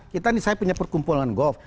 kita ini saya punya perkumpulan golf